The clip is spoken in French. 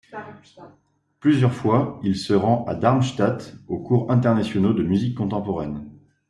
Plusieurs fois il se rend à Darmstadt aux Cours Internationaux de musique contemporaine.